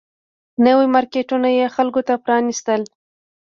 نوي مارکیټونه یې خلکو ته پرانيستل